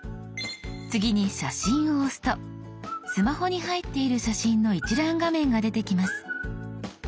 次に「写真」を押すとスマホに入っている写真の一覧画面が出てきます。